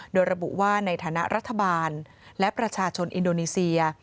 โดยระบุว่าในฐานะรัฐบาลและประชาชนอินโดนีเซีย